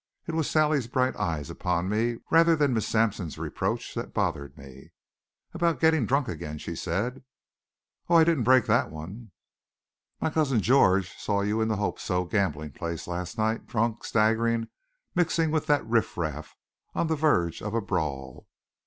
It was Sally's bright eyes upon me, rather than Miss Sampson's reproach, that bothered me. "About getting drunk again," she said. "I didn't break that one." "My cousin George saw you in the Hope So gambling place last night, drunk, staggering, mixing with that riffraff, on the verge of a brawl."